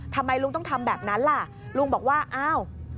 ทำไมลุงต้องทำแบบนั้นล่ะลุงบอกว่าอ้าว